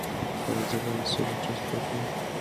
ایا زه باید د سږو ټسټ وکړم؟